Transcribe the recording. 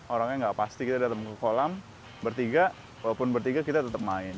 orangnya nggak pasti kita datang ke kolam bertiga walaupun bertiga kita tetap main